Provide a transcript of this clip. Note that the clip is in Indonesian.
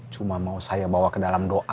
cuma mau saya bawa ke dalam doa